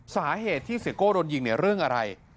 สาเหตุที่เสียโก้โดนยิงเนี่ยเรื่องอะไร